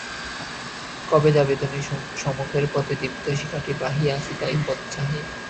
কবে যাবে তুমি সমুখের পথে দীপ্ত শিখাটি বাহি আছি তাই পথ চাহি!